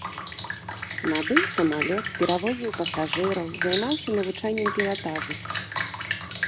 Набыў самалёт, перавозіў пасажыраў, займаўся навучаннем пілатажу.